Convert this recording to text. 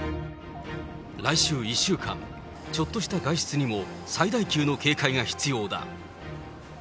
来週１週間、ちょっとした外出にも最大級の警戒が必要だ。